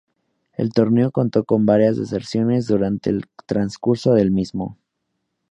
El torneo contó con varias deserciones durante el transcurso del mismo.